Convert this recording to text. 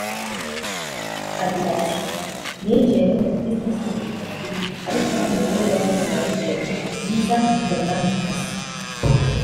Agira ati “Ninjiye muri Metodisite nshyingirwa ariko aho nyigereyemo rwose nayigiriyemo ibihe byiza mba umwarimukazi